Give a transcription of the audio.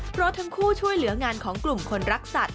เพราะทั้งคู่ช่วยเหลืองานของกลุ่มคนรักสัตว